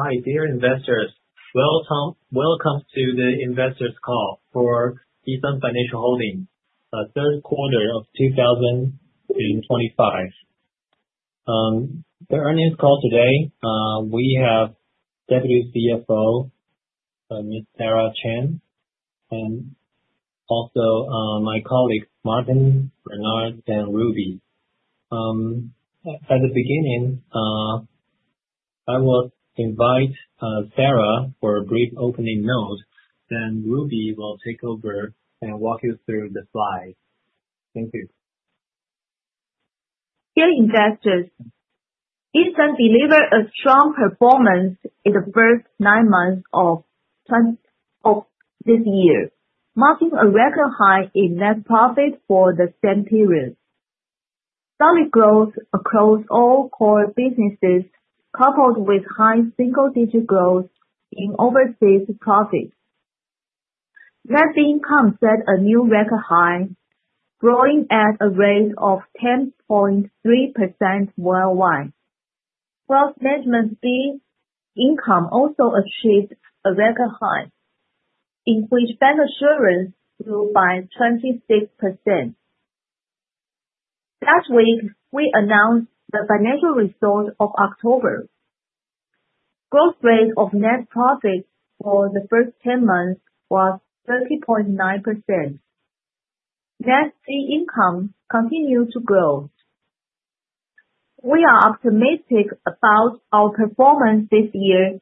Hi, dear investors. Welcome to the investors call for E.SUN Financial Holding, third quarter of 2025. The earnings call today, we have Deputy CFO, Ms. Sarah Chen, and also my colleagues Martin, Bernard, and Ruby. At the beginning, I will invite Sarah for a brief opening note, then Ruby will take over and walk you through the slides. Thank you. Dear investors, E.SUN delivered a strong performance in the first nine months of this year, marking a record high in net profit for the same period. Solid growth across all core businesses, coupled with high single-digit growth in overseas profits. Net fee income set a new record high, growing at a rate of 10.3% worldwide. Wealth management fee income also achieved a record high, in which bancassurance grew by 26%. Last week, we announced the financial results of October. Growth rate of net profit for the first 10 months was 30.9%. Net fee income continued to grow. We are optimistic about our performance this year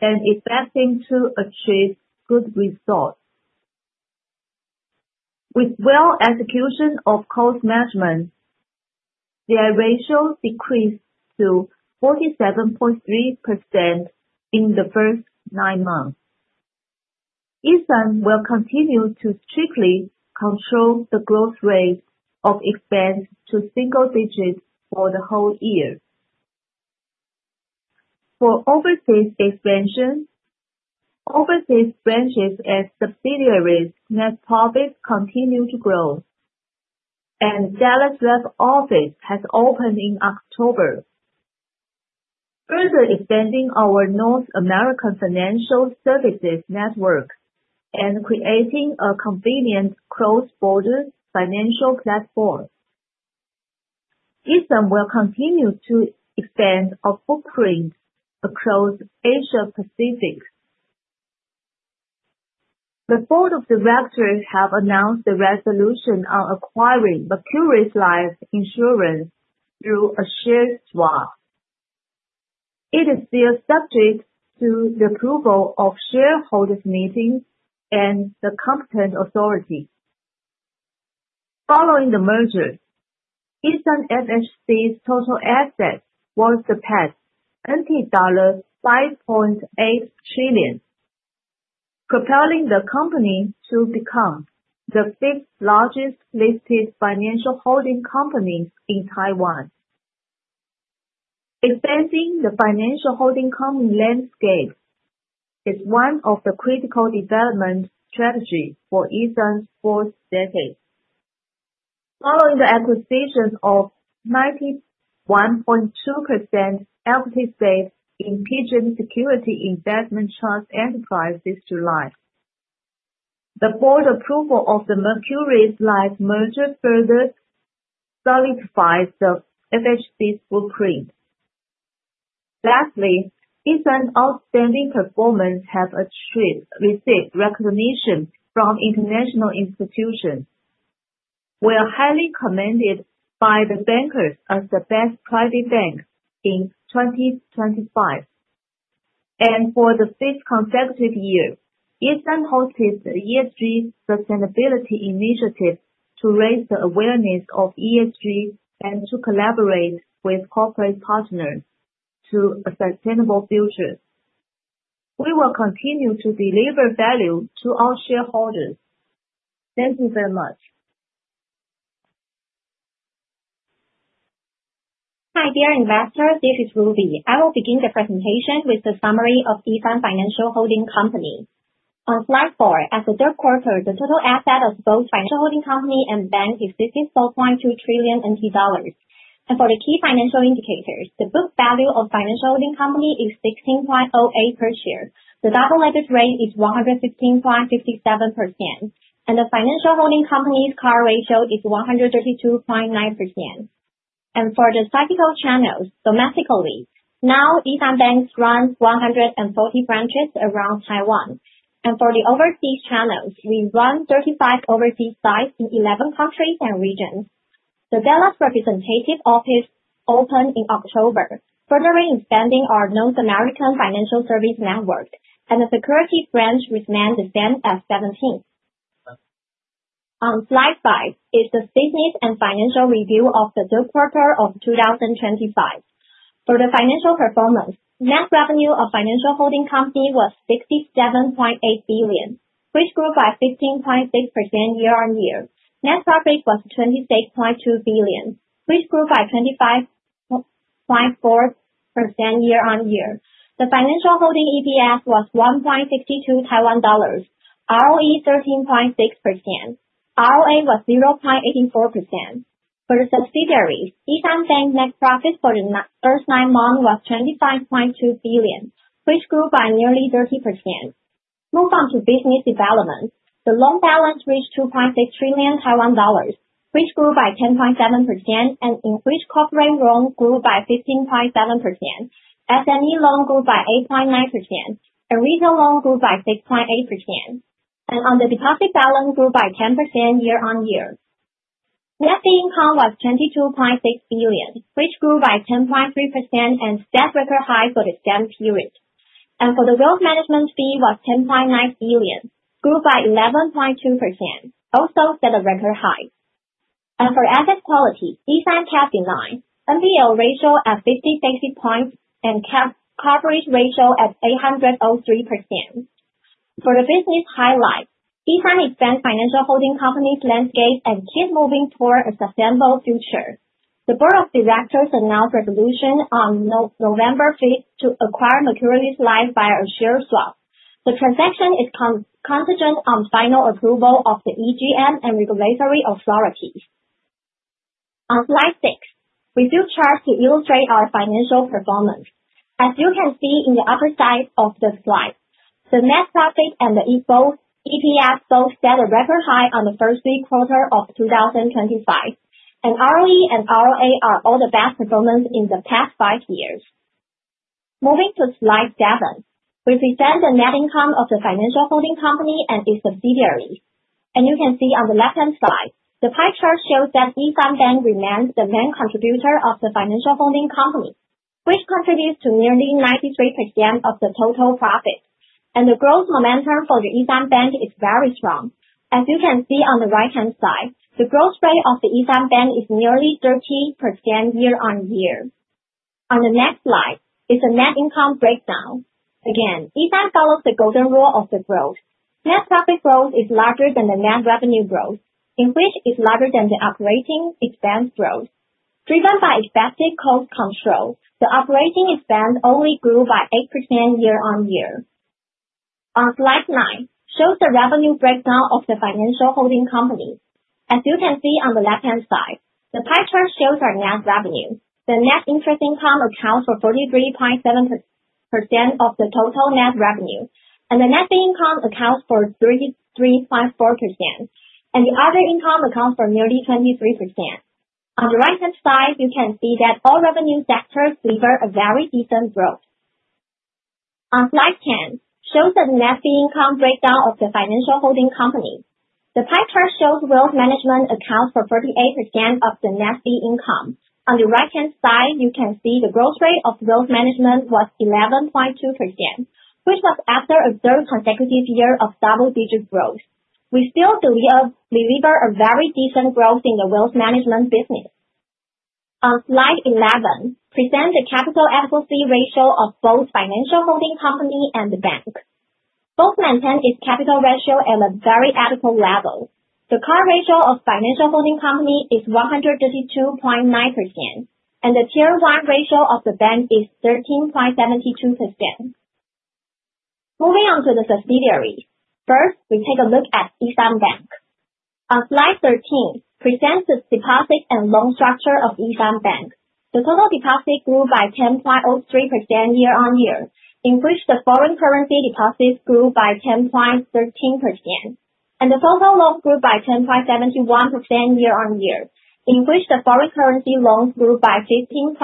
and expecting to achieve good results. With well execution of cost management, the ratio decreased to 47.3% in the first nine months. E.SUN will continue to strictly control the growth rate of expense to single digits for the whole year. For overseas expansion, overseas branches and subsidiaries net profits continue to grow, and Dallas rep office has opened in October, further expanding our North American financial services network and creating a convenient cross-border financial platform. E.SUN will continue to expand our footprint across Asia Pacific. The board of directors have announced the resolution on acquiring Mercuries Life Insurance through a share swap. It is still subject to the approval of shareholders' meeting and the competent authority. Following the merger, E.SUN FHC's total assets will surpass 5.8 trillion, propelling the company to become the fifth largest listed financial holding company in Taiwan. Expanding the financial holding company landscape is one of the critical development strategies for E.SUN's fourth decade. Following the acquisition of 91.2% LPS in PGIM Securities Investment Trust Enterprise this July, the board approval of the Mercuries Life merger further solidifies the FHC's footprint. Lastly, E.SUN outstanding performance has received recognition from international institutions. We are highly commended by The Banker as the best private bank in 2025. For the fifth consecutive year, E.SUN hosted the ESG Sustainability Initiative to raise the awareness of ESG and to collaborate with corporate partners to a sustainable future. We will continue to deliver value to our shareholders. Thank you very much. Hi, dear investors. This is Ruby. I will begin the presentation with the summary of E.SUN Financial Holding Company. On slide four, as the third quarter, the total asset of both financial holding company and E.SUN Bank is 64.2 trillion NT dollars. For the key financial indicators, the book value of financial holding company is 16.08 per share. The double leverage ratio is 115.67%, the financial holding company's CAR ratio is 132.9%. For the cyclical channels domestically, E.SUN Bank runs 140 branches around Taiwan, for the overseas channels, we run 35 overseas sites in 11 countries and regions. The Dallas representative office opened in October, further expanding our North American financial service network, the E.SUN Securities branch remains the same at 17. On slide five is the business and financial review of the third quarter of 2025. For the financial performance, net revenue of financial holding company was 67.8 billion, which grew by 15.6% year-on-year. Net profit was 26.2 billion, which grew by 25.4% year-on-year. The financial holding EPS was TWD 1.62, ROE 13.6%, ROA was 0.84%. For subsidiaries, E.SUN Bank net profit for the first nine months was 25.2 billion, which grew by nearly 30%. Move on to business development. The loan balance reached TWD 2.6 trillion, which grew by 10.7%, in which corporate loans grew by 15.7%. SME loan grew by 8.9%, retail loan grew by 6.8%. The deposit balance grew by 10% year-on-year. Net income was 22.6 billion, which grew by 10.3% and set record high for the same period. For the wealth management fee was TWD 10.9 billion, grew by 11.2%, also set a record high. For asset quality, E.SUN kept in line, NPL ratio at 50-60 basis points, capital coverage ratio at 803%. For the business highlight, E.SUN advanced financial holding company's landscape and keep moving toward a sustainable future. The board of directors announced resolution on November 5th to acquire Mercuries Life via a share swap. The transaction is contingent on final approval of the EGM and regulatory authorities. On slide six, we chart to illustrate our financial performance. As you can see in the upper side of the slide, the net profit and the EPS both set a record high on the first three quarters of 2025, ROE and ROA are all the best performance in the past five years. Moving to slide seven, we present the net income of the financial holding company and its subsidiaries. You can see on the left-hand side, the pie chart shows that E.SUN Bank remains the main contributor of the financial holding company, which contributes to nearly 93% of the total profits. The growth momentum for the E.SUN Bank is very strong. As you can see on the right-hand side, the growth rate of the E.SUN Bank is nearly 30% year-on-year. On the next slide is a net income breakdown. Again, E.SUN follows the golden rule of the growth. Net profit growth is larger than the net revenue growth, which is larger than the operating expense growth. Driven by effective cost control, the operating expense only grew by 8% year-on-year. On slide nine shows the revenue breakdown of the financial holding company. As you can see on the left-hand side, the pie chart shows our net revenue. The net interest income accounts for 43.7% of the total net revenue. The net income accounts for 33.4%. The other income accounts for nearly 23%. On the right-hand side, you can see that all revenue sectors deliver a very decent growth. On slide 10, shows the net fee income breakdown of the financial holding company. The pie chart shows wealth management accounts for 38% of the net fee income. On the right-hand side, you can see the growth rate of wealth management was 11.2%, which was after a third consecutive year of double-digit growth. We still deliver a very decent growth in the wealth management business. On slide 11, present the capital adequacy ratio of both financial holding company and the bank. Both maintain its capital ratio at a very adequate level. The current ratio of financial holding company is 132.9%. The tier one ratio of the bank is 13.72%. Moving on to the subsidiaries. First, we take a look at E.SUN Bank. On slide 13, presents the deposit and loan structure of E.SUN Bank. The total deposit grew by 10.03% year-on-year, in which the foreign currency deposits grew by 10.13%. The total loans grew by 10.71% year-on-year, in which the foreign currency loans grew by 15.67%.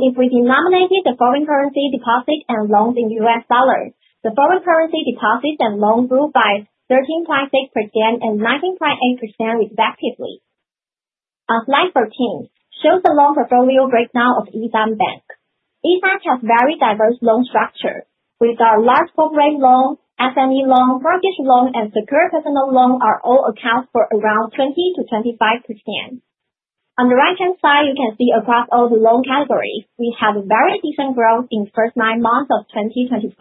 If we denominated the foreign currency deposit and loans in U.S. dollars, the foreign currency deposit and loans grew by 13.6% and 19.8% respectively. On slide 14, shows the loan portfolio breakdown of E.SUN Bank. E.SUN has very diverse loan structure. With our large corporate loan, SME loan, mortgage loan, and secured personal loan are all account for around 20%-25%. On the right-hand side, you can see across all the loan categories, we have a very decent growth in first nine months of 2025.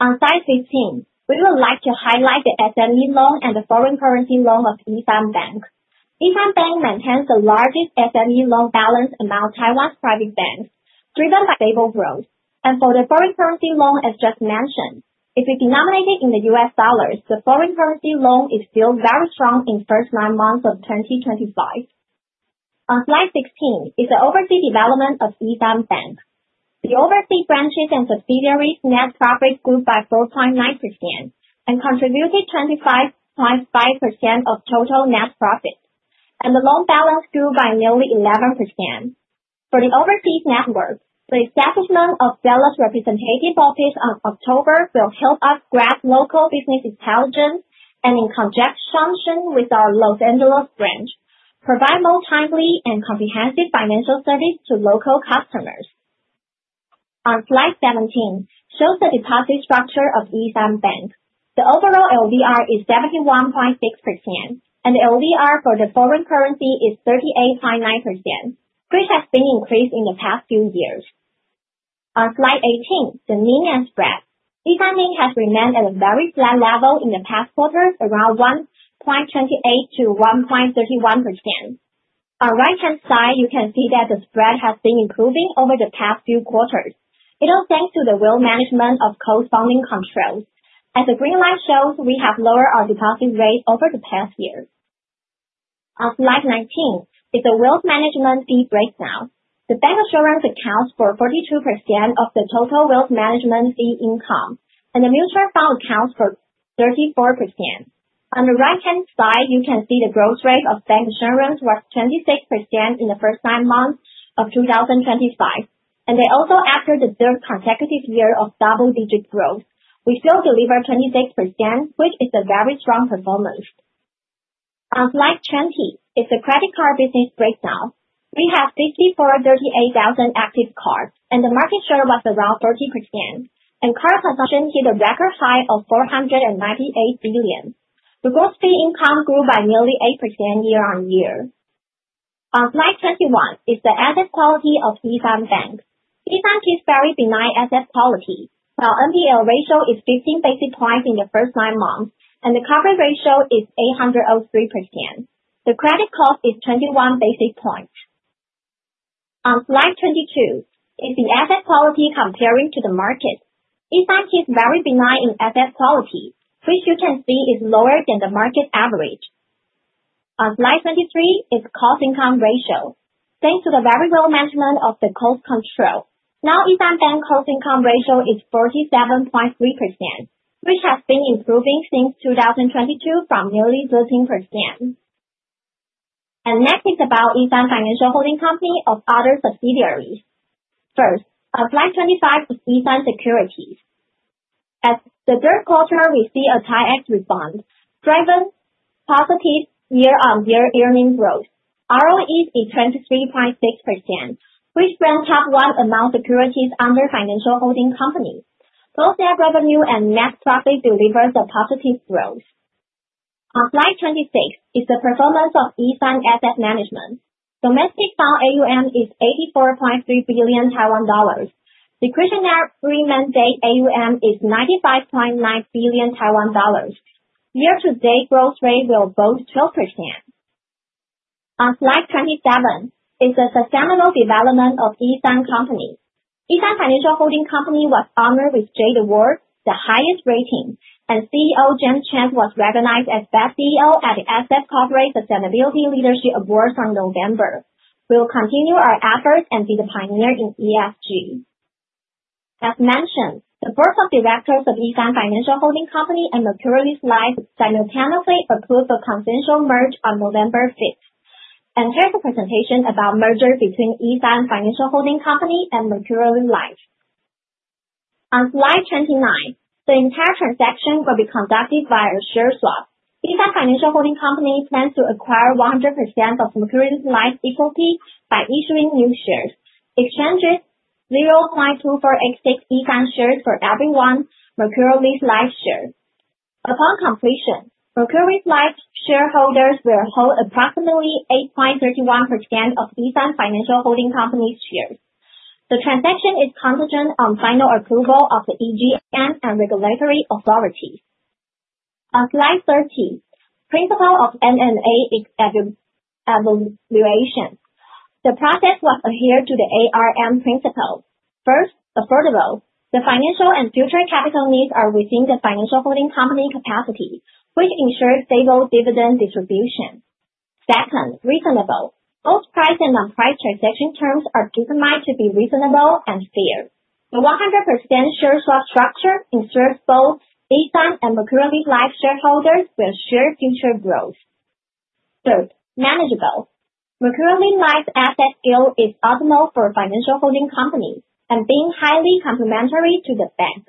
On slide 15, we would like to highlight the SME loan and the foreign currency loan of E.SUN Bank. E.SUN Bank maintains the largest SME loan balance among Taiwan's private banks, driven by stable growth. For the foreign currency loan, as just mentioned, if we denominate it in the U.S. dollars, the foreign currency loan is still very strong in first nine months of 2025. On slide 16 is the overseas development of E.SUN Bank. The overseas branches and subsidiaries net profit grew by 4.9% and contributed 25.5% of total net profits. The loan balance grew by nearly 11%. For the overseas network, the establishment of Dallas representative office on October will help us grab local business intelligence, and in conjunction with our Los Angeles branch, provide more timely and comprehensive financial service to local customers. On slide 17, shows the deposit structure of E.SUN Bank. The overall LDR is 71.6%. The LDR for the foreign currency is 38.9%, which has been increased in the past few years. On slide 18, the net spread. E.SUN net has remained at a very flat level in the past quarters, around 1.28%-1.31%. On right-hand side, you can see that the spread has been improving over the past few quarters. It is thanks to the wealth management of cost funding controls. As the green line shows, we have lowered our deposit rate over the past year. On slide 19 is the wealth management fee breakdown. The bank insurance accounts for 42% of the total wealth management fee income, and the mutual fund accounts for 34%. On the right-hand side, you can see the growth rate of bank insurance was 26% in the first nine months of 2025, also after the third consecutive year of double-digit growth. We still deliver 26%, which is a very strong performance. On slide 20 is the credit card business breakdown. We have 638,000 active cards, and the market share was around 13%, and card consumption hit a record high of 498 billion. The gross fee income grew by nearly 8% year-on-year. On slide 21 is the asset quality of E.SUN Bank. E.SUN keeps very benign asset quality. Our NPL ratio is 15 basis points in the first nine months, and the coverage ratio is 803%. The credit cost is 21 basis points. On slide 22 is the asset quality comparing to the market. E.SUN keeps very benign in asset quality, which you can see is lower than the market average. On slide 23 is cost income ratio. Thanks to the very well management of the cost control, now E.SUN Bank cost income ratio is 47.3%, which has been improving since 2022 from nearly 13%. Next is about E.SUN Financial Holding Company of other subsidiaries. First, on slide 25 is E.SUN Securities. At the third quarter, we see a tax refund, driven positive year-on-year earnings growth. ROE is 23.6%, which ranks top one among securities under financial holding companies. Both their revenue and net profit deliver the positive growth. On slide 26 is the performance of E.SUN Asset Management. Domestic fund AUM is 84.3 billion Taiwan dollars. Discretionary AUM is 95.9 billion Taiwan dollars. Year-to-date growth rate will boost 12%. On slide 27 is the sustainable development of E.SUN companies. E.SUN Financial Holding Company was honored with Jade Award, the highest rating, and CEO James Chang was recognized as best CEO at The Asset Corporate Sustainability Leadership Awards on November. We will continue our efforts and be the pioneer in ESG. As mentioned, the board of directors of E.SUN Financial Holding Company and Mercuries Life simultaneously approved the consensual merge on November 5th. Here's the presentation about merger between E.SUN Financial Holding Company and Mercuries Life. On slide 29, the entire transaction will be conducted by a share swap. E.SUN Financial Holding Company plans to acquire 100% of Mercuries Life equity by issuing new shares, exchanges 0.248 E.SUN shares for every one Mercuries Life share. Upon completion, Mercuries Life shareholders will hold approximately 8.31% of E.SUN Financial Holding Company's shares. The transaction is contingent on final approval of the EGM and regulatory authorities. On slide 30, principle of M&A evaluation. The process was adhered to the ARM principle. First, affordable. The financial and future capital needs are within the financial holding company capacity, which ensures stable dividend distribution. Second, reasonable. Both price and non-price transaction terms are determined to be reasonable and fair. The 100% share swap structure ensures both E.SUN and Mercuries Life shareholders will share future growth. Third, manageable. Mercuries Life asset yield is optimal for financial holding companies and being highly complementary to the bank.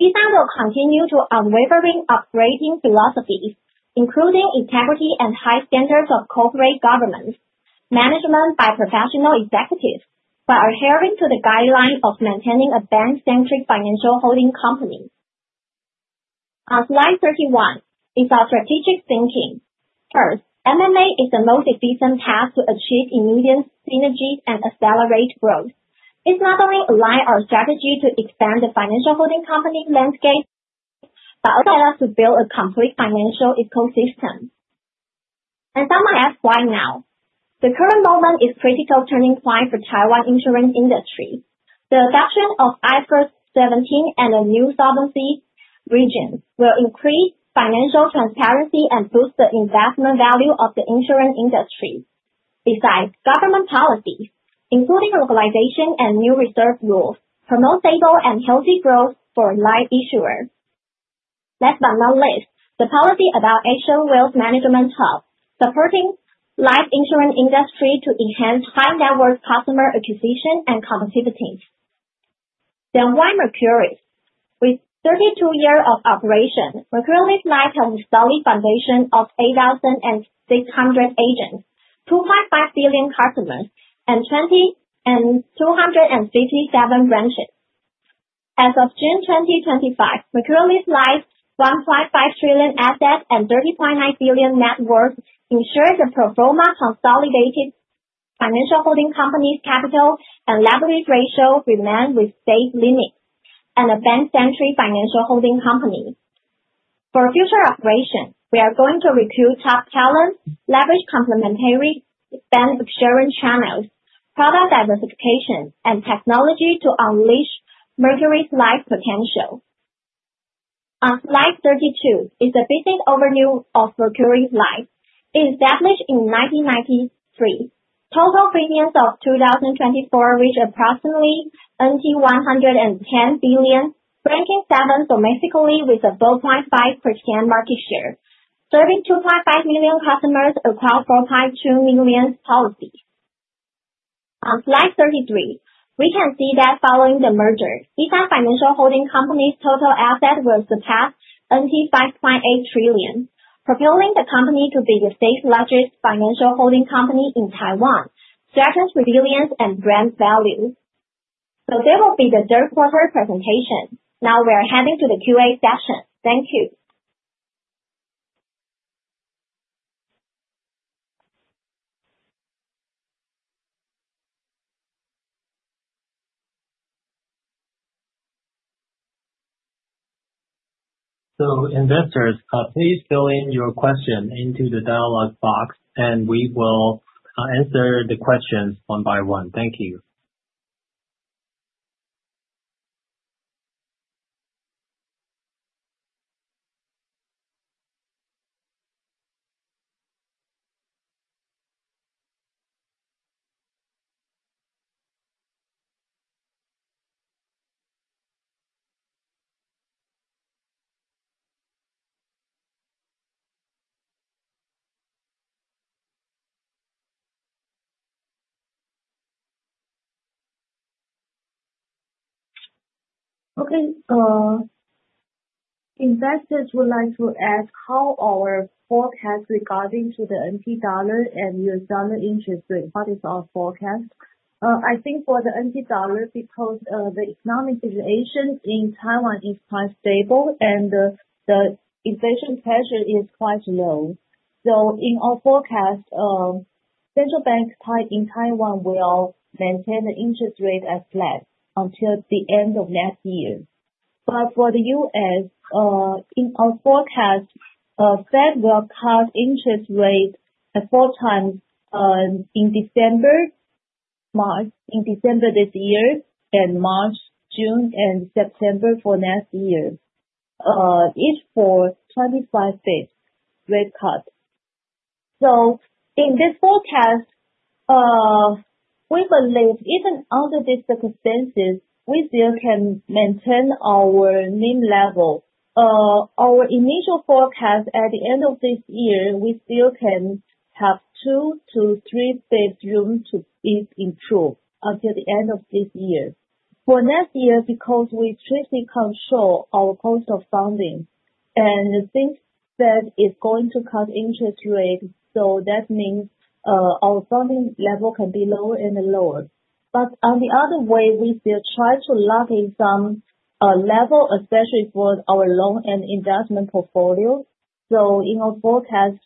E.SUN will continue to unwavering operating philosophy, including integrity and high standards of corporate governance, management by professional executives, by adhering to the guideline of maintaining a bank-centric financial holding company. On slide 31 is our strategic thinking. First, M&A is the most efficient path to achieve immediate synergies and accelerate growth. This not only align our strategy to expand the financial holding company landscape, but also help us to build a complete financial ecosystem. Some might ask, why now? The current moment is critical turning point for Taiwan insurance industry. The adoption of IFRS 17 and the new solvency regime will increase financial transparency and boost the investment value of the insurance industry. Besides government policies, including localization and new reserve rules, promote stable and healthy growth for life insurers. Last but not least, the policy about Asian Wealth Management Hub, supporting life insurance industry to enhance high-net worth customer acquisition and competitiveness. Why Mercuries? With 32 year of operation, Mercuries Life has a solid foundation of 8,600 agents, 2.5 million customers, and 257 branches. As of June 2025, Mercuries Life's 1.5 trillion assets and 30.9 billion net worth ensures the pro forma consolidated financial holding company's capital and liability ratio remains within safe limits and a bank-centric financial holding company. For future operation, we are going to recruit top talent, leverage complementary bank sharing channels, product diversification, and technology to unleash Mercuries Life potential. On slide 32 is a business overview of Mercuries Life. Established in 1993. Total premiums of 2024 reached approximately 110 billion, ranking seventh domestically with a 4.5% market share, serving 2.5 million customers across 4.2 million policies. On slide 33, we can see that following the merger, E.SUN Financial Holding Company's total asset will surpass TWD 5.8 trillion, propelling the company to be the state's largest financial holding company in Taiwan, strengthen resilience, and brand values. That will be the third quarter presentation. Now we are heading to the Q&A session. Thank you. Investors, please fill in your question into the dialogue box and we will answer the questions one by one. Thank you. Okay. Investors would like to ask how our forecast regarding the NT dollar and US dollar interest rate, what is our forecast? I think for the NT dollar, because the economic situation in Taiwan is quite stable and the inflation pressure is quite low. So in our forecast, central bank in Taiwan will maintain the interest rate as flat until the end of next year. For the U.S., in our forecast, Fed will cut interest rate four times, in December this year and March, June, and September for next year. Each for 25 basis rate cut. In this forecast, we believe even under these circumstances, we still can maintain our NIM level. Our initial forecast at the end of this year, we still can have two to three basis NIM to improve until the end of this year. For next year, because we strictly control our cost of funding, and since Fed is going to cut interest rate, that means our funding level can be lower and lower. On the other way, we still try to lock in some level, especially for our loan and investment portfolio. So in our forecast,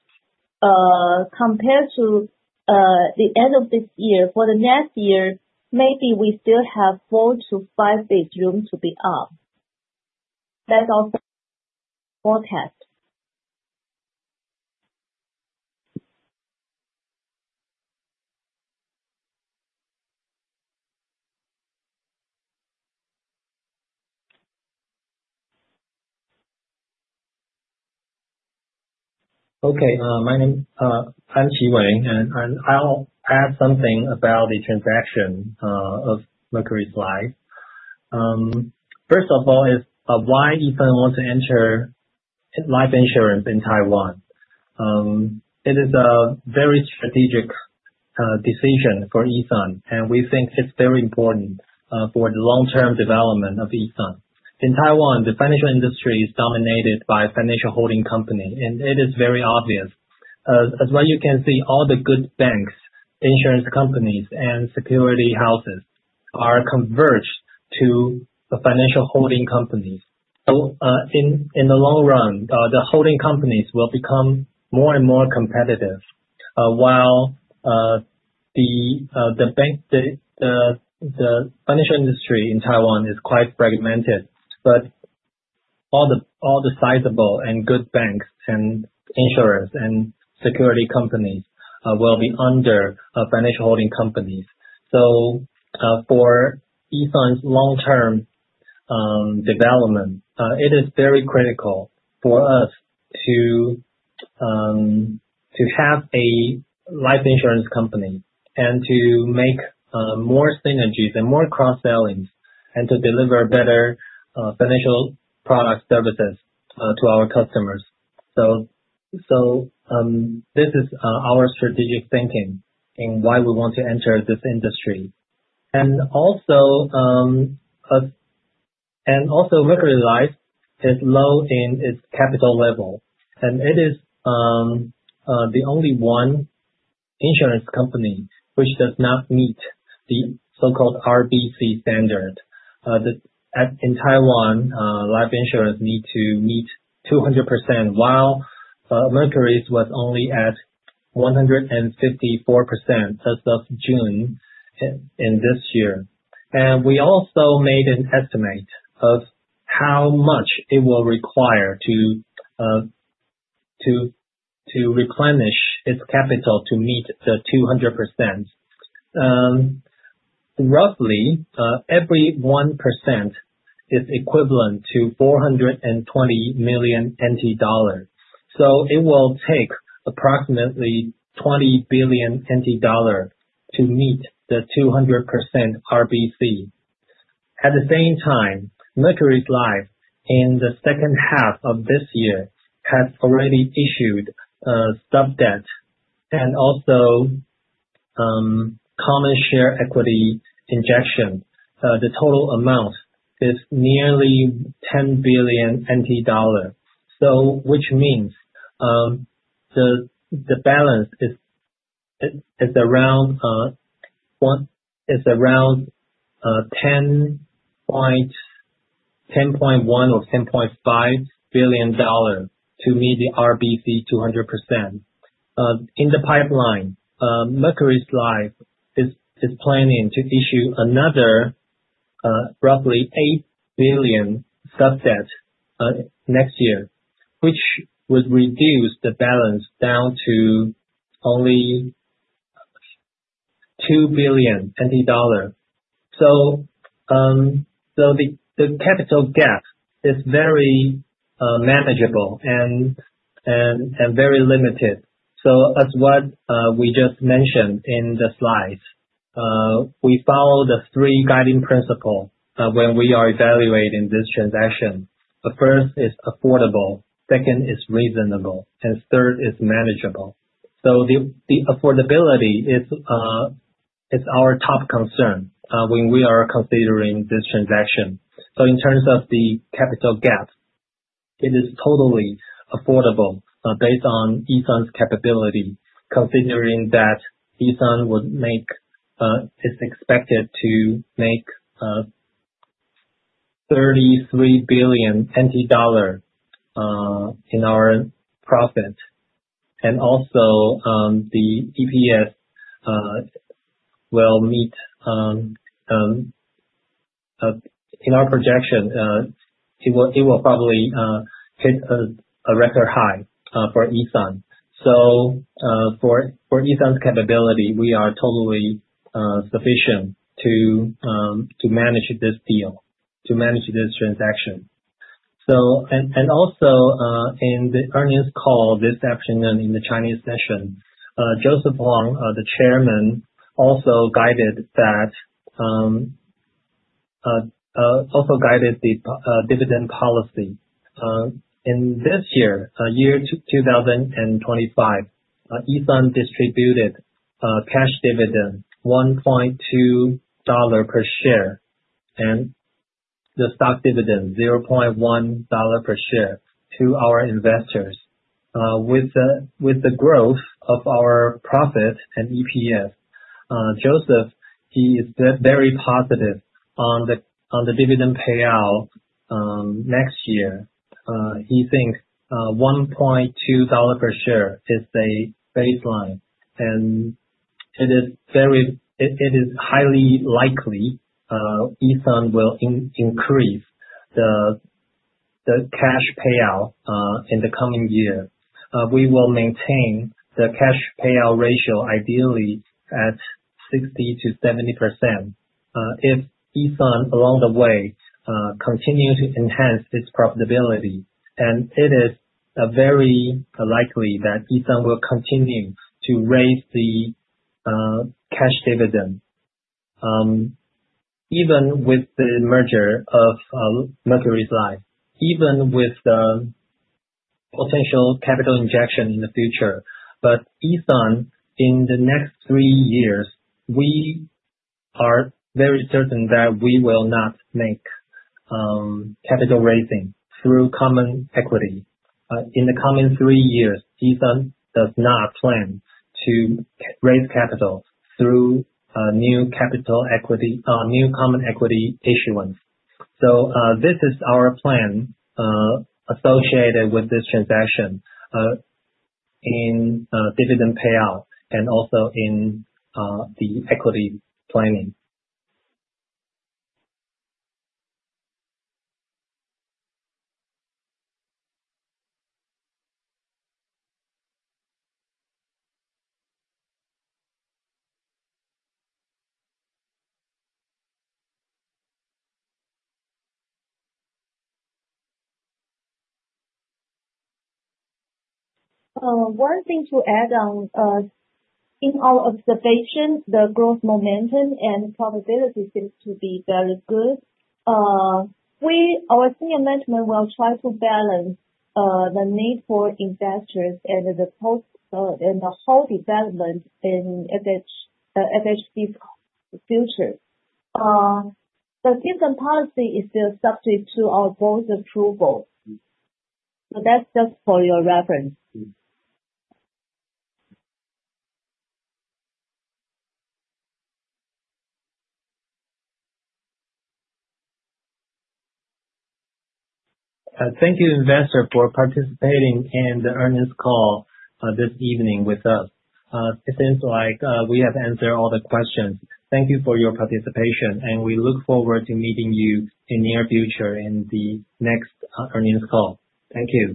compared to the end of this year, for the next year, maybe we still have four to five basis NIM to be up. That is our forecast. Okay. My name is Pan Chih-Wei, and I will add something about the transaction of Mercuries Life. First of all is, why E.SUN wants to enter life insurance in Taiwan. It is a very strategic decision for E.SUN, and we think it is very important for the long-term development of E.SUN. In Taiwan, the financial industry is dominated by financial holding company, and it is very obvious. As well you can see all the good banks, insurance companies, and security houses are converged to the financial holding companies. In the long run, the holding companies will become more and more competitive. While the financial industry in Taiwan is quite fragmented, all the sizable and good banks and insurers and security companies will be under financial holding companies. For E.SUN's long-term development, it is very critical for us to have a life insurance company, and to make more synergies and more cross-sellings, and to deliver better financial product services to our customers. This is our strategic thinking in why we want to enter this industry. Also, Mercuries Life is low in its capital level, and it is the only one insurance company which does not meet the so-called RBC standard. In Taiwan, life insurance need to meet 200%, while Mercuries was only at 154% as of June in this year. We also made an estimate of how much it will require to replenish its capital to meet the 200%. Roughly, every 1% is equivalent to 420 million NT dollars. So it will take approximately 20 billion NT dollars to meet the 200% RBC. At the same time, Mercuries Life in the second half of this year has already issued a sub-debt and also common share equity injection. The total amount is nearly 10 billion NT dollar, which means the balance is around 10.1 billion or 10.5 billion dollars to meet the RBC 200%. In the pipeline, Mercuries Life is planning to issue another roughly 8 billion sub-debt next year, which would reduce the balance down to only TWD 2 billion. As what we just mentioned in the slides, we follow the three guiding principle when we are evaluating this transaction. The first is affordable, second is reasonable, and third is manageable. The affordability is our top concern when we are considering this transaction. In terms of the capital gap, it is totally affordable based on E.SUN's capability, considering that E.SUN is expected to make 33 billion NT dollar in our profit. Also, the EPS, in our projection, it will probably hit a record high for E.SUN. For E.SUN's capability, we are totally sufficient to manage this deal, to manage this transaction. Also, in the earnings call this afternoon in the Chinese session, Joseph Long, the Chairman, also guided the dividend policy. In this year, 2025, E.SUN distributed a cash dividend 1.2 dollar per share, and the stock dividend 0.1 dollar per share to our investors. With the growth of our profit and EPS, Joseph, he is very positive on the dividend payout next year. He thinks 1.2 dollar per share is a baseline, and it is highly likely E.SUN will increase the cash payout in the coming year. We will maintain the cash payout ratio ideally at 60%-70%. If E.SUN along the way continues to enhance its profitability, then it is very likely that E.SUN will continue to raise the cash dividend. Even with the merger of Mercuries Life, even with the potential capital injection in the future, but E.SUN, in the next three years, we are very certain that we will not make capital raising through common equity. In the coming three years, E.SUN does not plan to raise capital through new common equity issuance. This is our plan associated with this transaction in dividend payout and also in the equity planning. One thing to add on. In our observation, the growth momentum and profitability seems to be very good. Our senior management will try to balance the need for investors and the whole development in FHC's future. The dividend policy is still subject to our board's approval. That's just for your reference. Thank you, investor, for participating in the earnings call this evening with us. It seems like we have answered all the questions. Thank you for your participation, and we look forward to meeting you in near future in the next earnings call. Thank you.